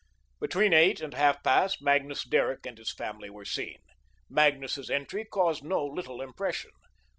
Between eight and half past, Magnus Derrick and his family were seen. Magnus's entry caused no little impression.